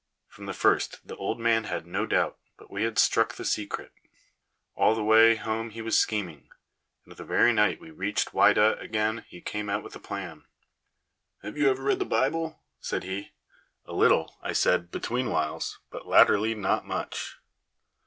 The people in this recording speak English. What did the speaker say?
'" From the first the old man had no doubt but we had struck the secret. All the way home he was scheming, and the very night we reached Whydah again he came out with a plan. "Have you ever read your Bible?" said he. "A little," I said, "between whiles; but latterly not much."